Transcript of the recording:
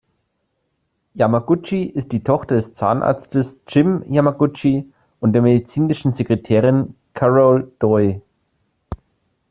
Yamaguchi ist die Tochter des Zahnarztes Jim Yamaguchi und der medizinischen Sekretärin Carole Doi.